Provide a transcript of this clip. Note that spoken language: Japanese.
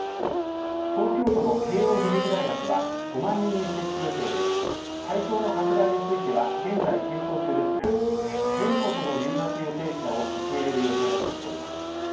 東京都の慶応義塾大学は５万人に接種予定で対象の拡大については現在検討中ですが全国の留学予定者を受け入れる予定だとしています。